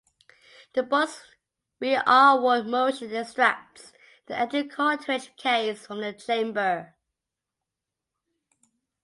The bolt's rearward motion extracts the empty cartridge case from the chamber.